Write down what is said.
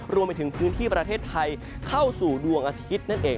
รวมไปถึงพื้นที่ประเทศไทยเข้าสู่ดวงอาทิตย์นั่นเอง